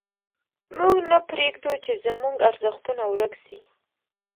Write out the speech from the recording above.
موږ نه پرېږدو چې زموږ ارزښتونه ورک سي.